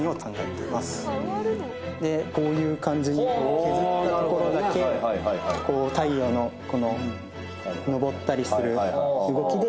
こういう感じに削ったところだけ太陽のこの昇ったりする動きで変化していくみたいな。